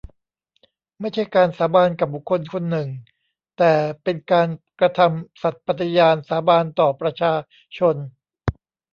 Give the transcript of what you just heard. ไม่ใช่การสาบานกับบุคคลคนหนึ่ง แต่เป็นการกระทำสัตย์ปฏิญาณสาบานต่อประชาชน